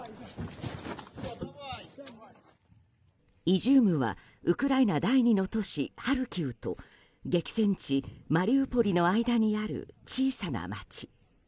イジュームはウクライナ第２の都市ハルキウと激戦地マリウポリの間にある小さな街。